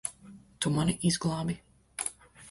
Tu mani izglābi.